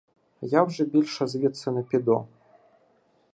— Я вже більше звідси не піду.